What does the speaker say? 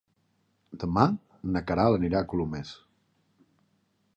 Demà na Queralt anirà a Colomers.